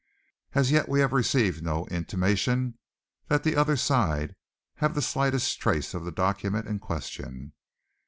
As yet we have received no intimation that the other side have the slightest trace of the document in question.